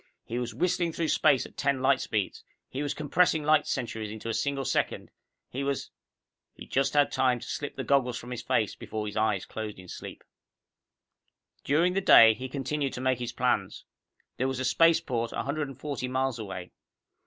He was whistling through space at ten light speeds. He was compressing light centuries into a single second. He was He had just time to slip the goggles from his face before his eyes closed in sleep. During the day, he continued to make his plans. There was a spaceport a hundred and forty miles away.